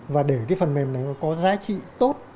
và để cái phần mềm này nó có giá trị tốt